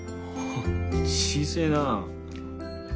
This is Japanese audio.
小せえな。